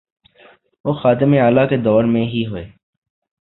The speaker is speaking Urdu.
وہ خادم اعلی کے دور میں ہی ہوئے۔